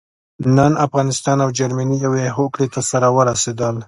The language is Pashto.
نن افغانستان او جرمني يوې هوکړې ته سره ورسېدل.